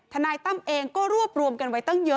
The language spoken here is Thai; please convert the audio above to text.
นายตั้มเองก็รวบรวมกันไว้ตั้งเยอะ